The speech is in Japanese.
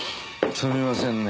すみませんね。